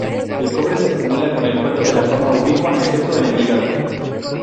El cobre se acumula en el cuerpo de forma ubicua, excepto en el hígado.